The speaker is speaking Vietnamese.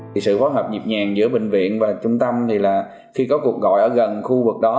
thì sự phối hợp nhịp nhàng giữa bệnh viện và trung tâm thì là khi có cuộc gọi ở gần khu vực đó